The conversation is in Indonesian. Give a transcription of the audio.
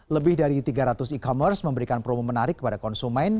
lebih dari tiga ratus e commerce memberikan promo menarik kepada konsumen